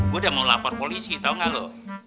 gue udah mau lapor polisi tau gak loh